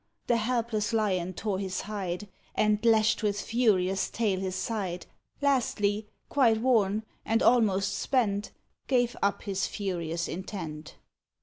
The helpless Lion tore his hide, And lashed with furious tail his side; Lastly, quite worn, and almost spent, Gave up his furious intent.